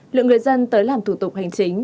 lượng người dân tới làm thủ tục hành chính